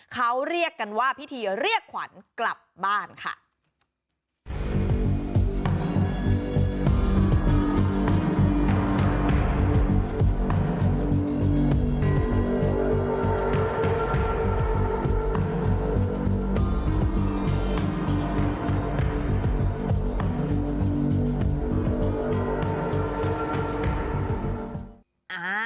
เขาเรียกกันว่าพิธีเรียกขวัญกลับบ้านค่ะ